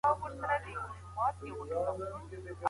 زه کولای سم رسم وکړم.